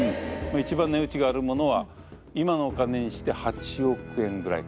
一番値打ちがあるものは今のお金にして８億円ぐらいかな。